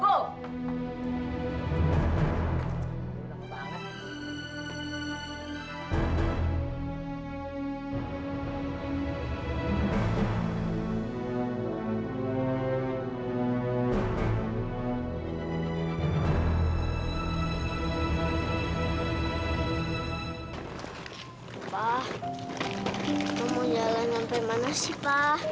papa kita mau jalanin sampai mana sih pa